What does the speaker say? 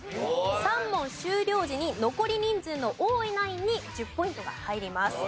３問終了時に残り人数の多いナインに１０ポイントが入ります。